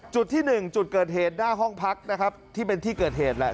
จุดที่๑จุดเกิดเหตุหน้าห้องพักนะครับที่เป็นที่เกิดเหตุแหละ